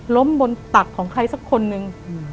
ล้มบนตักของใครสักคนนึง